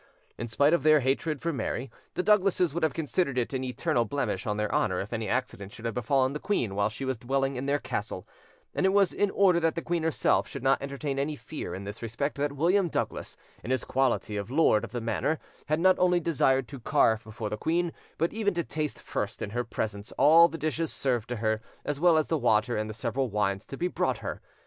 In spite of their hatred for Mary, the Douglases would have considered it an eternal blemish on their honour if any accident should have befallen the queen while she was dwelling in their castle; and it was in order that the queen herself should not entertain any fear in this respect that William Douglas, in his quality of lord of the manor, had not only desired to carve before the queen, but even to taste first in her presence, all the dishes served to her, as well as the water and the several wines to be brought her.